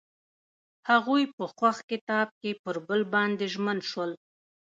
هغوی په خوښ کتاب کې پر بل باندې ژمن شول.